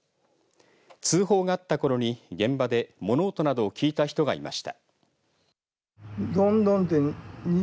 通報があったころに現場で物音などを聞いた人がいました。